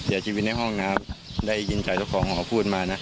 เสียชีวิตในห้องนะครับได้ยินจ่ายต่อของหอพูดมานะ